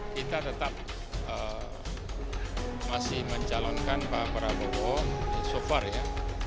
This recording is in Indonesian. kita tetap masih mencalonkan pak prabowo so far ya